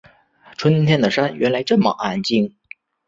春天的山原来这么安静